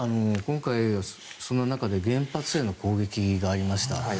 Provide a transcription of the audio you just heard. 今回原発への攻撃がありました。